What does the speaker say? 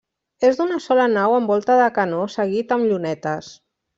És d'una sola nau amb volta de canó seguit amb llunetes.